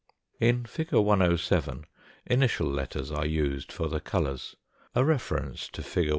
In fig. 107 initial letters are used for the colours. A reference to fig.